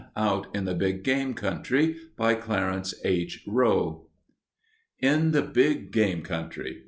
OUT IN THE BIG GAME COUNTRY BY CLARENCE H. ROWE In the big game country!